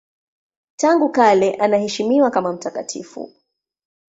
Tangu kale anaheshimiwa kama mtakatifu.